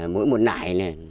mỗi một nải